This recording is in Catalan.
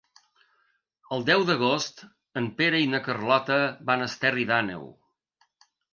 El deu d'agost en Pere i na Carlota van a Esterri d'Àneu.